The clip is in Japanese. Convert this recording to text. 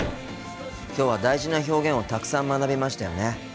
今日は大事な表現をたくさん学びましたよね。